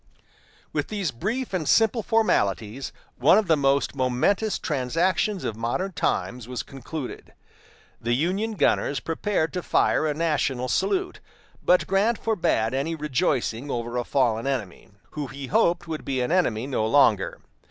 With these brief and simple formalities, one of the most momentous transactions of modern times was concluded. The Union gunners prepared to fire a national salute, but Grant forbade any rejoicing over a fallen enemy, who, he hoped, would be an enemy no longer.